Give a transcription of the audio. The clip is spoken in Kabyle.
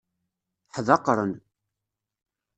Ḥdaqren.